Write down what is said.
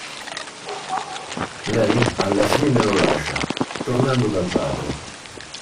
Lei, alla fine, lo lascia, tornando dal padre.